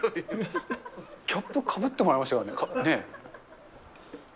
キャップかぶってもらいましたよね。